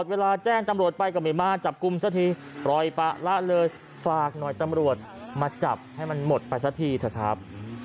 ฝากตำรวจด้วยแล้วกันนะครับ